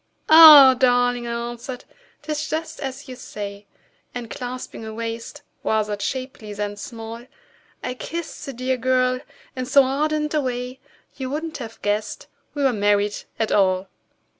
"Ah! darling," I answered, "'tis just as you say;" And clasping a waist rather shapely than small, I kissed the dear girl in so ardent a way You wouldn't have guessed we were married at all!